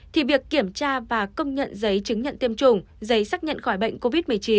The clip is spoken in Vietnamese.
thì việc kiểm tra và công nhận giấy chứng nhận tiêm chủng giấy xác nhận khỏi bệnh covid một mươi chín